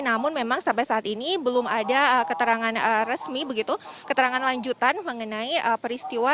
namun memang sampai saat ini belum ada keterangan resmi begitu keterangan lanjutan mengenai peristiwa